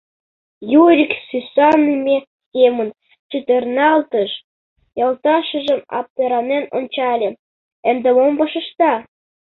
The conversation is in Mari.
Юрик сӱсаныме семын чытырналтыш, йолташыжым аптыранен ончале: «Ынде мом вашешта?